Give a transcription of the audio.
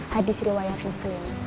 hadis riwayat muslim